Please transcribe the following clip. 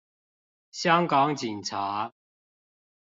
香港警察